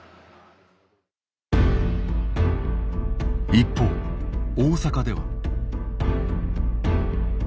一方大阪では。